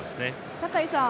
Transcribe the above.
酒井さん